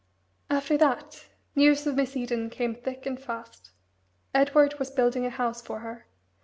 After that, news of Miss Eden came thick and fast. Edward was building a house for her.